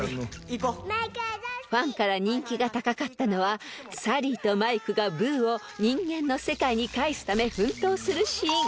［ファンから人気が高かったのはサリーとマイクがブーを人間の世界に帰すため奮闘するシーン］